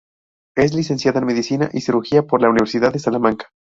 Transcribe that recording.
Es licenciada en Medicina y Cirugía por la Universidad de Salamanca.